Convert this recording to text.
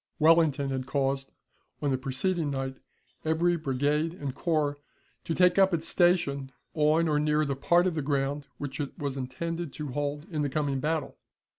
Wellington had caused, on the preceding night, every brigade and corps to take up its station on or near the part of the ground which it was intended to hold in the coming battle.